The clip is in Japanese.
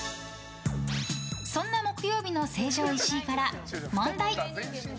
そんな木曜日の成城石井から問題！